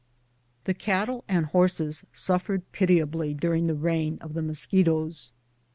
The cattle and horses suffered pitiably during the reign of the mosquitoes.